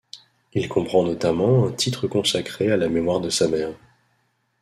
Il comprend notamment un titre consacrée à la mémoire de sa mère.